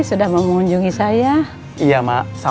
ya udah kalau gitu saya pamit ya